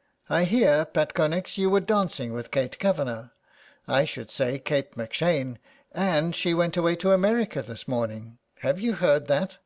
" I hear, Pat Connex, you were dancing with Kate Kavanagh, I should say Kate M'Shane, and she went away to America this morning. Have you heard that